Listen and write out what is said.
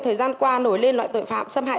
thời gian qua nổi lên loại tội phạm xâm hại